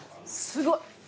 すごい。